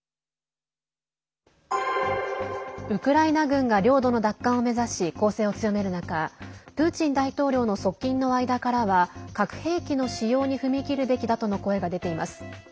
ウクライナ軍が領土の奪還を目指し攻勢を強める中プーチン大統領の側近の間からは核兵器の使用に踏み切るべきだとの声が出ています。